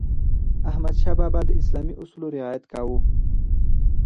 احمدشاه بابا د اسلامي اصولو رعایت کاوه.